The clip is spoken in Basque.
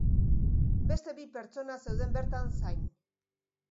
Beste bi pertsona zeuden bertan zain.